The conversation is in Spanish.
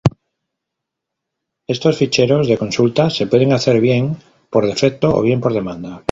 Estos ficheros de consulta se pueden hacer bien por defecto o bien por demanda.